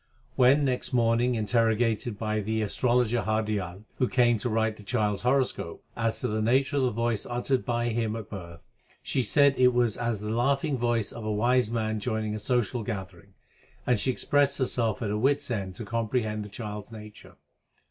When next morning interrogated by the astrologer Hardial, who came to write the child s horoscope, as to the nature of the voice uttered by him at birth, she said it was as the laughing voice of a wise man joining a social gathering ; and she expressed herself at her wits end to comprehend the child s nature.